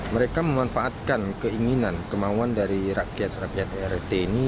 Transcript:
mereka memanfaatkan keinginan kemauan dari rakyat rakyat rt ini